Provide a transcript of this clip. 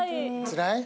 つらい。